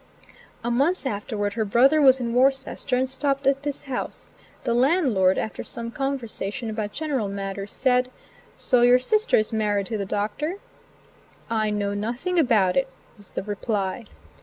A month afterward her brother was in Worcester, and stopped at this house. The landlord, after some conversation about general matters, said: "So your sister is married to the Doctor?" "I know nothing about it," was the reply.